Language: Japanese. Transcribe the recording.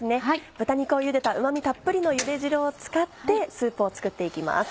豚肉をゆでた旨味たっぷりのゆで汁を使ってスープを作っていきます。